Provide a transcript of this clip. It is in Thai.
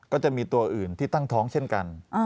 ก็จะมีตัวอื่นที่ตั้งท้องเช่นกัน